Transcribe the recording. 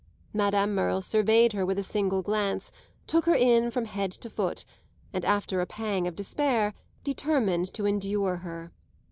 Madame Merle surveyed her with a single glance, took her in from head to foot, and after a pang of despair determined to endure her.